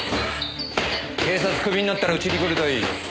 警察クビになったらうちに来るといい。